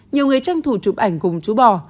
nhiều người tranh thủ chụp ảnh cùng chú bò